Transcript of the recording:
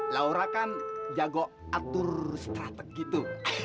laura kan jago atur strateg gitu